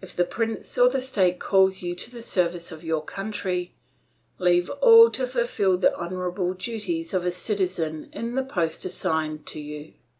If the prince or the state calls you to the service of your country, leave all to fulfil the honourable duties of a citizen in the post assigned to you.